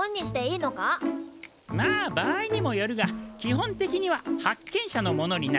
まあ場合にもよるが基本的には発見者のものになる。